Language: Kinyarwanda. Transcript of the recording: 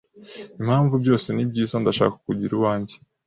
Impamvu byose ni byiza, ndashaka kukugira uwanjye